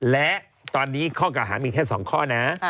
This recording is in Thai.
และตอนนี้ข้อเก่าหามีแค่๒ข้อนะ